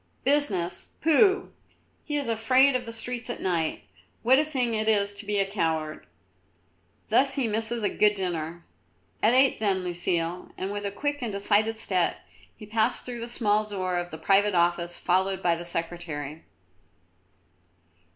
"Business, pooh! He is afraid of the streets at night. What a thing it is to be a coward! Thus he misses a good dinner. At eight then, Lucile." And with a quick and decided step he passed through the small door of the private office followed by the Secretary.